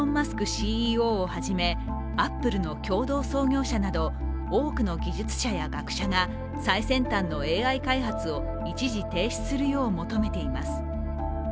ＣＥＯをはじめアップルの共同創業者など多くの技術者や学者が最先端のＡＩ開発を一時停止するよう求めています。